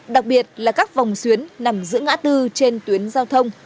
đặc biệt là các vòng xuyến nằm giữa ngã tư trên tuyến giao thông